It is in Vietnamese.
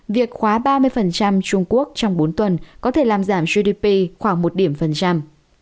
việc khóa ba mươi trung quốc trong bốn tuần có thể làm giảm gdp khoảng một điểm phần trăm